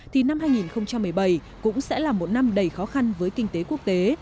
thì năm hai nghìn một mươi bảy cũng sẽ là một năm đầy khó khăn với kinh tế quốc tế